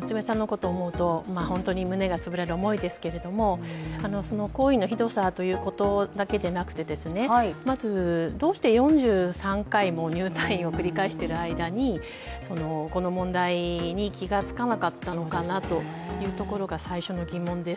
娘さんのことを思うと本当に胸が潰れる思いですが行為のひどさということだけでなくてまずどうして４３回も入退院を繰り返している間にこの問題に気がつかなかったのかなというところが最初の疑問です。